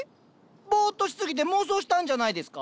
ボーッとしすぎて妄想したんじゃないですか？